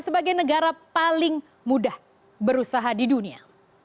sebagai negara paling mudah berusaha di dunia